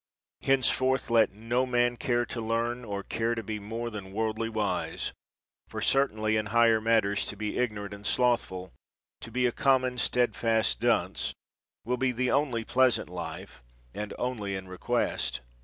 Henceforth let no man care to learn, or care to be more than worldly wise; for certainly in higher matters to be ignorant and slothful, to be a common, steadfast dunce, will be the only pleasant life, and only in request.